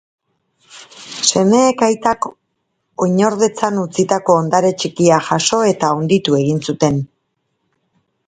Semeek aitak oinordetzan utzitako ondare txikia jaso eta handitu egin zuten.